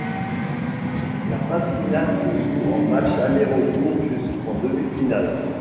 La phase finale se joue en matchs aller-retour jusqu'en demi-finales.